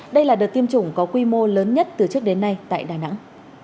đây là đợt tiêm chủng có quy mô lớn nhất từ trước đến nay tại đà nẵng